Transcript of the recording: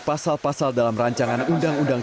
pasal pasal dalam rancangan undang undang